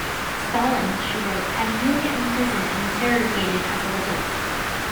Stalin, she wrote, had Yulia imprisoned and interrogated as a result.